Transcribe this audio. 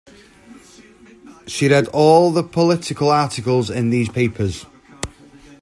She read all the political articles in these papers.